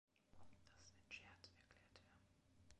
"Das ist ein Scherz", erklärte er.